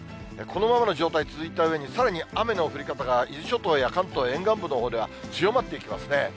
このままの状態続いたうえに、さらに雨の降り方が、伊豆諸島や関東沿岸部のほうでは強まっていきますね。